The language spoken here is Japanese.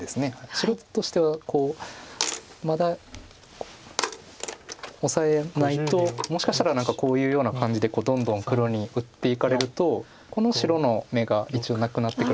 白としてはこうまだオサえないともしかしたら何かこういうような感じでどんどん黒に打っていかれるとこの白の眼が一応なくなってくる可能性もあるので。